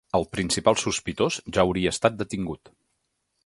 El principal sospitós ja hauria estat detingut.